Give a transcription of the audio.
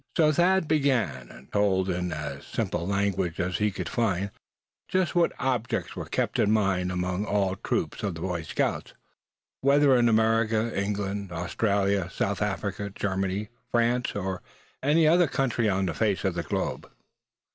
So Thad began, and told in as simple language as he could find just what objects were kept in mind among all troops of Boy Scouts, whether in America, England, Australia, South Africa, Germany, France or any other country on the face of the globe.